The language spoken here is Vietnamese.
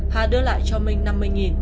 hà đưa lại cho mình năm mươi